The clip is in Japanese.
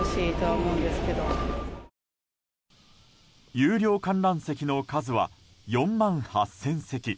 有料観覧席の数は４万８０００席。